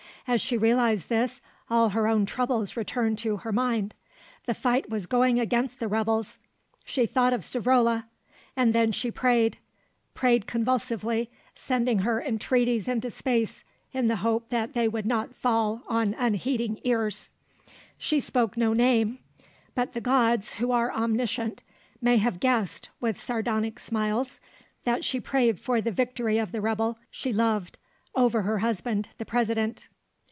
As she realised this, all her own troubles returned to her mind. The fight was going against the rebels; she thought of Savrola. And then she prayed, prayed convulsively, sending her entreaties into space in the hope that they would not fall on unheeding ears. She spoke no name; but the gods, who are omniscient, may have guessed, with sardonic smiles, that she prayed for the victory of the rebel she loved over her husband, the President.